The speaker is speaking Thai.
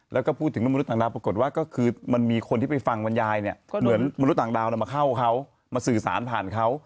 แล้วก็พูดถึงเรื่องมนุษย์ต่างดาวปรากฏว่าก็คือมันมีคนที่ไปฟังบรรยายเนี่ยเหมือนมนุษย์ต่างดาวมาเข้าเขามาสื่อสารผ่านเขา